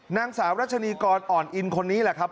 นางสาวรัชนีกรอ่อนอินคนนี้แหละครับ